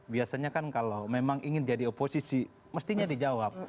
biasanya kan kalau memang ingin jadi oposisi mestinya dijawab